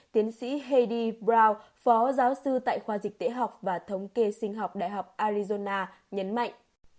tiến sĩ heidi brown phó giáo sư tại khoa dịch tế học và thống kê sinh học đại học arizona nhấn mạnh